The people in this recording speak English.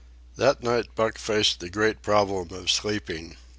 That night Buck faced the great problem of sleeping.